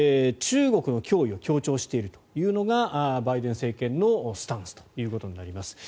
中国の脅威を強調しているというのがバイデン政権のスタンスということになります。